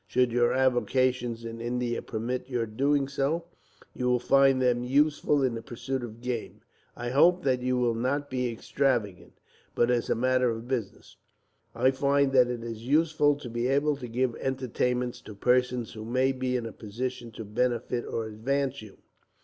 Should your avocations in India permit your doing so, you will find them useful in the pursuit of game. I hope that you will not be extravagant; but as a matter of business I find that it is useful to be able to give entertainments, to persons who may be in a position to benefit or advance you.